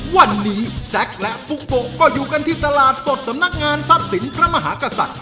วันนี้แซ็กและปุ๊กโกะก็อยู่กันที่ตลาดสดสำนักงานทรัพย์สินพระมหากษัตริย์